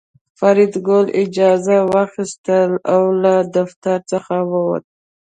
فریدګل اجازه واخیسته او له دفتر څخه ووت